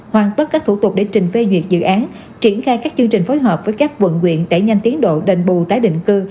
hoàn tất các thủ tục để trình phê duyệt dự án triển khai các chương trình phối hợp với các quận quyện đẩy nhanh tiến độ đền bù tái định cư